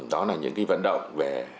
đó là những vận động về